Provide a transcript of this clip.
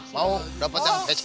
mau dapet yang pijaks